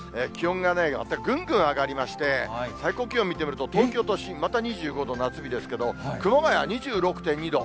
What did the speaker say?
気温がぐんぐん上がりまして、最高気温見てみると、東京都心、また２５度、夏日ですけれども、熊谷は２６．２度。